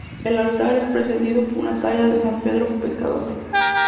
El altar es precedido por una talla de San Pedro Pescador.